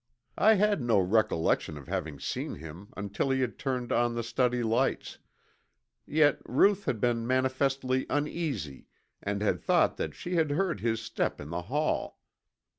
I had no recollection of having seen him until he had turned on the study lights, yet Ruth had been manifestly uneasy and had thought that she had heard his step in the hall.